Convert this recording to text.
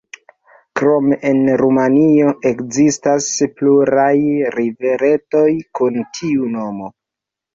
Krome en Rumanio ekzistas pluraj riveretoj kun tiu nomo.